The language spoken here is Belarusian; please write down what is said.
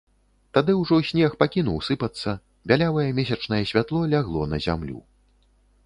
Тады ўжо снег пакінуў сыпацца, бялявае месячнае святло лягло на зямлю.